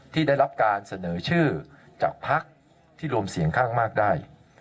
ที่ได้รับการเสนอชื่อจากภักดิ์ที่รวมเสียงข้างมากได้